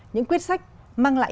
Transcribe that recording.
những quyết sách mang lại